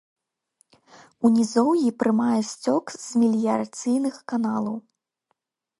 У нізоўі прымае сцёк з меліярацыйных каналаў.